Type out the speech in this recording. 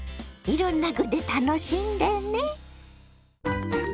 いろんな具で楽しんでね。